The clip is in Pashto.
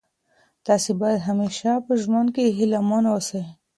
تاسي باید همېشه په ژوند کي هیله من اوسئ.